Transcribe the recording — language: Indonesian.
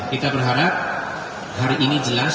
kita berharap hari ini jelas